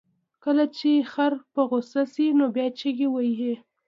کله چې خر په غوسه شي، نو بیا چغې وهي.